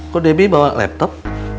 kok debbie bawa laptop